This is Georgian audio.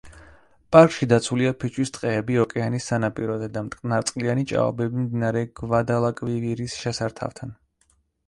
პარკში დაცულია ფიჭვის ტყეები ოკეანის სანაპიროზე და მტკნარწყლიანი ჭაობები მდინარე გვადალკვივირის შესართავთან.